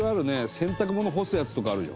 洗濯物干すやつとかあるよ。